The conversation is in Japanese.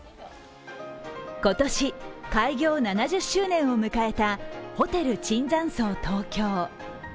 今年、開業７０周年を迎えたホテル椿山荘東京。